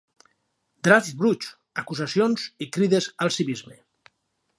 Draps bruts, acusacions i crides al civisme.